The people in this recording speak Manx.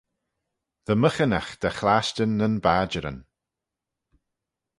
Dy myghinagh dy chlashtyn nyn badjeryn.